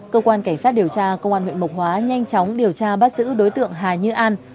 cơ quan cảnh sát điều tra công an huyện mộc hóa nhanh chóng điều tra bắt giữ đối tượng hà như an